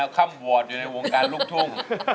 เข้าควอดอยู่ในวงการลุกทุ่ง